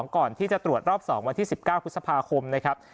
ก่อนที่จะตรวจรอบ๒วันที่๑๙พฤษภาคมนะครับ